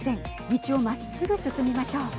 道をまっすぐ進みましょう。